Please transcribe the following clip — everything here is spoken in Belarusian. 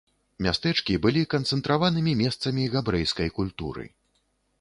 Мястэчкі былі канцэнтраванымі месцамі габрэйскай культуры.